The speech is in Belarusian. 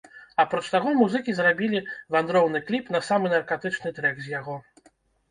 Апроч таго музыкі зрабілі вандроўны кліп на самы наркатычны трэк з яго.